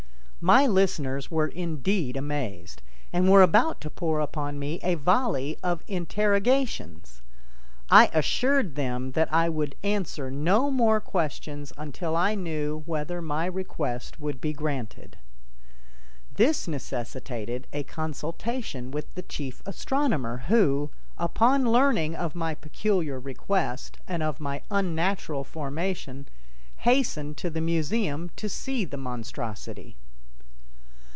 My listeners were indeed amazed and were about to pour upon me a volley of interrogations. I assured them that I would answer no more questions until I knew whether my request would be granted. This necessitated a consultation with the chief astronomer who, upon learning of my peculiar request and of my unnatural formation, hastened to the museum to see the monstrosity.